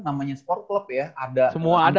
namanya sport club ya ada semua ada